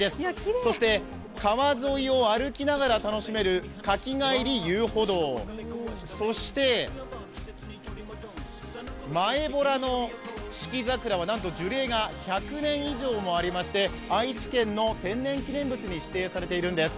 そして川沿いを歩きながら楽しめる柿ヶ入遊歩道そして前洞の四季桜はなんと樹齢が１００年以上もありまして愛知県の天然記念物に指定されているんです。